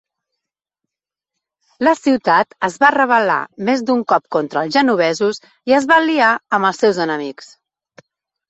La ciutat es va rebel·lar més d'un cop contra els genovesos i es va aliar amb els seus enemics.